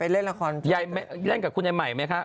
เล่นกับคุณใหม่ไหมคะ